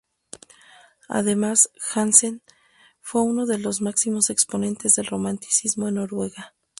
Además, Hansen fue uno de los máximos exponentes del romanticismo en Noruega.